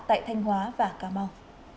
tại thanh hóa và cà mau